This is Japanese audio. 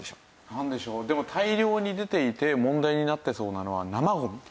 なんでしょうでも大量に出ていて問題になってそうなのは。